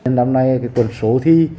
năm nay tuần số thi